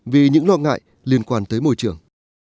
vì những lo ngại liên quan tới môi trường